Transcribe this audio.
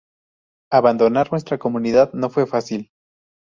Abandonar nuestra comunidad no fue fácil.